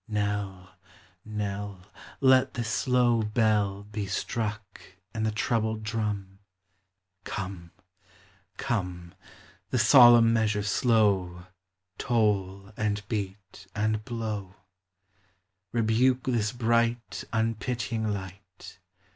Knell, knell ; Let the slow bell LA BO R AND Hi: ST. 443 Be struck and the troubled drum ; Come, come, The solemn measure slow Toll and beat and blow ; Rebuke this bright, unpitying light.